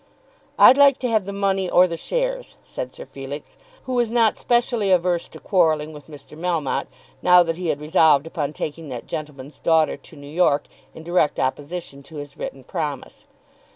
"I'd like to have the money or the shares," said Sir Felix, who was not specially averse to quarrelling with Mr. Melmotte now that he had resolved upon taking that gentleman's daughter to New York in direct opposition to his written promise.